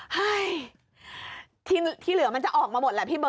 เฮ้ยที่เหลือมันจะออกมาหมด